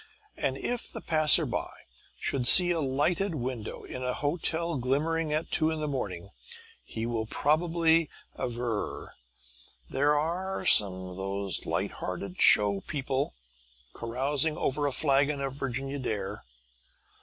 And if the passerby should see a lighted window in the hotel glimmering at two in the morning, he will probably aver that there are some of those light hearted "show people" carousing over a flagon of Virginia Dare.